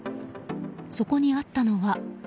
そこにあったのは。